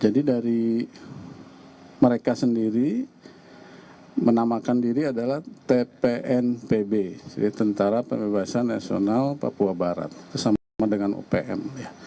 jadi dari mereka sendiri menamakan diri adalah tpnpb tentara pembebasan nasional papua barat bersama dengan opm